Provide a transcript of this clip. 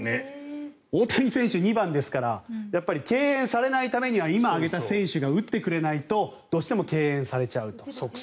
大谷選手、２番ですから敬遠されないためには今、挙げた選手が打ってくれないとどうしても敬遠されちゃうと。